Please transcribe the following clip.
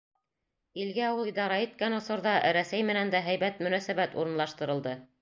Илгә ул идара иткән осорҙа Рәсәй менән дә һәйбәт мөнәсәбәт урынлаштырылды.